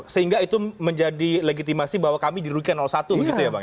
sehingga itu menjadi legitimasi bahwa kami dirugikan satu begitu ya bang